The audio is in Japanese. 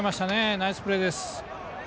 ナイスプレーです。